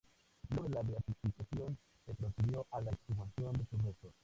Luego de la beatificación, se procedió a la exhumación de sus restos.